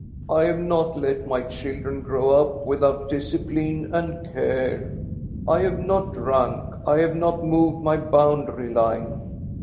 I have not let my children grow up without discipline and care. I have not drunk, I have not moved my boundary line.